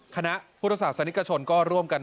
คณะพุทธศาสนิกชนก็ร่วมกัน